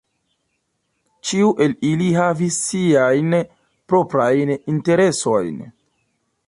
Ĉiu el ili havis siajn proprajn interesojn.